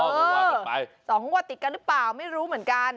เออสองงวดติดกันหรือเปล่าไม่รู้เหมือนกัน